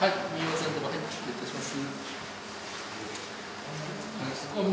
失礼いたします。